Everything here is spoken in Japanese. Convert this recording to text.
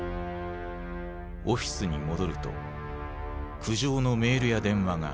オフィスに戻ると苦情のメールや電話が殺到していた。